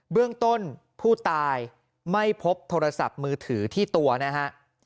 เรื่องต้นผู้ตายไม่พบโทรศัพท์มือถือที่ตัวนะฮะ